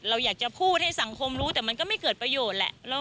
เราอยากจะพูดให้สังคมรู้แต่มันก็ไม่เกิดประโยชน์แหละ